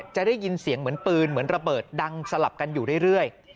จะได้ยินเสียงเหมือนปืนเหมือนระเบิดดังสลับกันอยู่เรื่อย